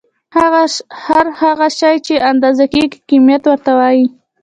هر هغه شی چې اندازه کيږي کميت ورته وايې.